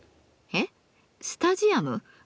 えっスタジアム？